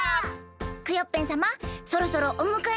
クヨッペンさまそろそろおむかえのじかんです。